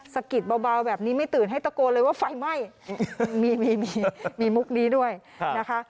สะกิดเบาแบบนี้ไม่ตื่นให้ตะโกนเลยว่าไฟไหม้มีมีมุกนี้ด้วยนะคะ